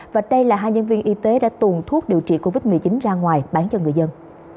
và đây là hai nhân viên y tế đã tuồn thuốc điều trị covid một mươi chín ra ngoài bán cho người dân